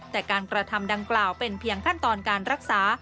แต่การกระทำดังกล่าวเป็นเพียงขั้นตอนการรักษา